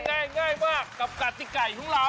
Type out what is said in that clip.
ง่ายมากกับกฎิไก่ทุกคนร้าว